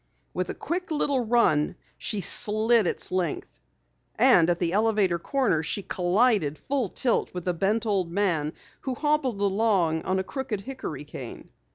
With a quick little run she slid its length. And at the elevator corner she collided full tilt with a bent old man who hobbled along on a crooked hickory cane.